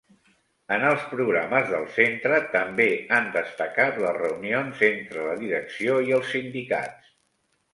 En els programes del centre també han destacat les reunions entre la direcció i els sindicats.